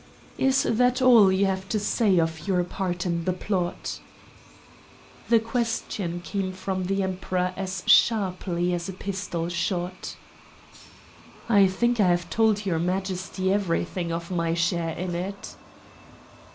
"Is that all you have to say of your part in the plot?" The question came from the Emperor as sharply as a pistol shot. "I think I have told your Majesty everything of my share in it."